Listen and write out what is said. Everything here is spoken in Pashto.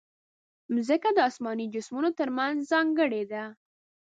مځکه د اسماني جسمونو ترمنځ ځانګړې ده.